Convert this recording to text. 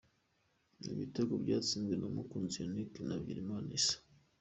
Ibi bitego byatsinzwe na Mukunzi Yannick na Bigirimana Issa.